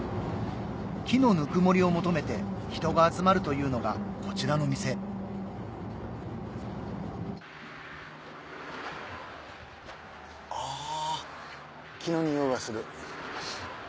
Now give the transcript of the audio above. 木のぬくもりを求めて人が集まるというのがこちらの店あ木の匂いがする。